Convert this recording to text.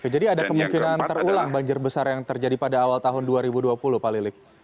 jadi ada kemungkinan terulang banjir besar yang terjadi pada awal tahun dua ribu dua puluh pak lilik